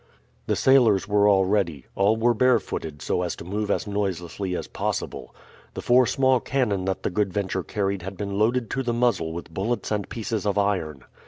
The sailors were all ready. All were barefooted so as to move as noiselessly as possible. The four small cannon that the Good Venture carried had been loaded to the muzzle with bullets and pieces of iron.